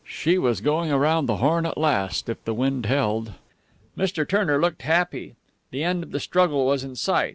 She was going around the Horn at last ... if the wind held. Mr. Turner looked happy. The end of the struggle was in sight.